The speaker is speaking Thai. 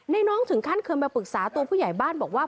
น้องถึงขั้นเคยมาปรึกษาตัวผู้ใหญ่บ้านบอกว่า